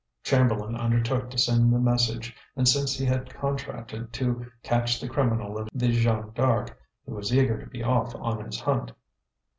Chamberlain undertook to send the message; and since he had contracted to catch the criminal of the Jeanne D'Arc, he was eager to be off on his hunt.